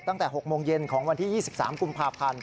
ตั้งแต่๖โมงเย็นของวันที่๒๓กุมภาพันธ์